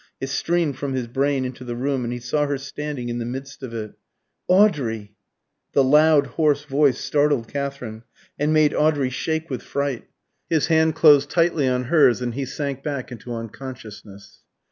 It streamed from his brain into the room, and he saw her standing in the midst of it. "Audrey!" The loud hoarse voice startled Katherine, and made Audrey shake with fright. His hand closed tightly on hers, and he sank back into unconsciousness.